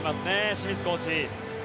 清水コーチ。